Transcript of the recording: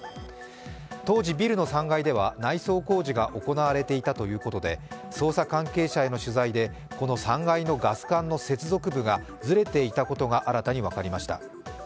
当時ビルの３階では内装工事が行われていたということで捜査関係者への取材でこの３階のガス管の接続部がずれていたことが分かりました。